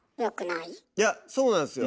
いやそうなんすよ。